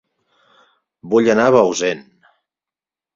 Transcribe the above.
Vull anar a Bausen